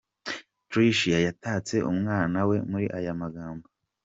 Tricia yatatse umwana we muri aya magambo.